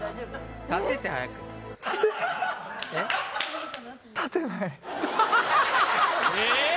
立てって早くえっ？えっ！？